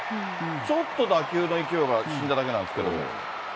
ちょっと打球の勢いが死んだだけなんですけども。